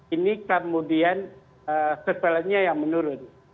ini kemudian surveilannya yang menurun